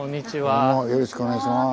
よろしくお願いします。